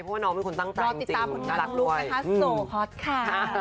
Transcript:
รอติดตามงานลูกนะคะโสฮอตค่ะ